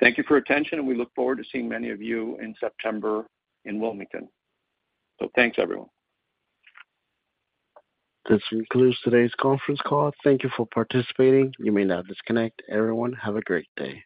Thank you for your attention. We look forward to seeing many of you in September in Wilmington. Thanks, everyone.
This concludes today's conference call. Thank you for participating. You may now disconnect. Everyone, have a great day.